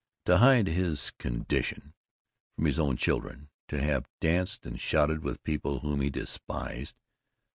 To hide his "condition" from his own children! To have danced and shouted with people whom he despised!